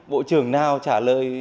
bộ trưởng nào trả lời